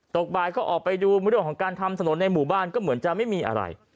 ตกบ่ายก็ออกไปดูเรื่องของการทำถนนในหมู่บ้านก็เหมือนจะไม่มีอะไร